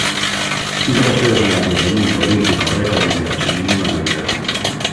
Niso vostedes son campións do mundo, olímpicos, récord mundial, sen ningunha dúbida.